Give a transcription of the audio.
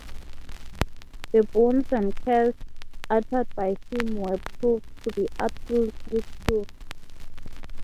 The boons and curse uttered by him were proved to be absolutely true.